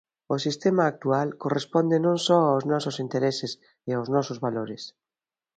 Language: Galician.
O sistema actual corresponde non só aos nosos intereses e aos nosos valores.